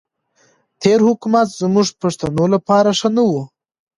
تېر حکومت زموږ پښتنو لپاره ښه نه وو.